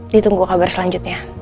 ditunggu kabar selanjutnya